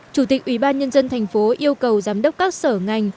chủ tịch ủy ban nhân dân thành phố yêu cầu giám đốc các sở ngành